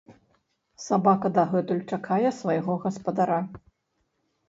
Сабака дагэтуль чакае свайго гаспадара.